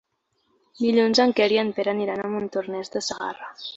Dilluns en Quer i en Pere aniran a Montornès de Segarra.